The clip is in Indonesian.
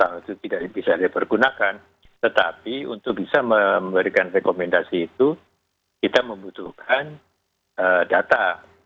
kalau itu tidak bisa dipergunakan tetapi untuk bisa memberikan rekomendasi itu kita membutuhkan data